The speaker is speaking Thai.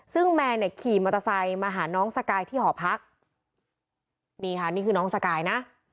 ซึ่งแมนเนี่ยขี่มอเตอร์ไซค์มาหาน้องสกายที่หอพักนี่ค่ะนี่คือน้องสกายนะ